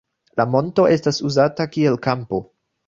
La monto estas uzata kiel kampo.